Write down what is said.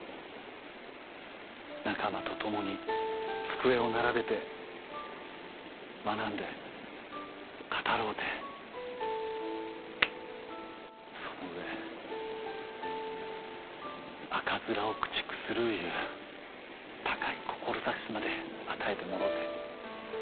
仲間と共に机を並べて学んで語ろうてその上赤面を駆逐するいう高い志まで与えてもろて。